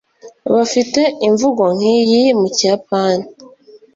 bafite imvugo nkiyi mu kiyapani?